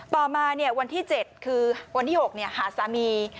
ต่อมาวันที่๗คือวันที่๖หาสามี